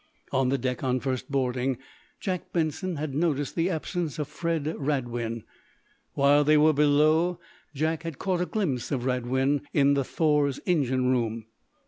On the deck, on first boarding, Jack Benson had noticed the absence of Fred Radwin. While they were below Jack had caught a glimpse of Radwin in the "Thor's" engine room.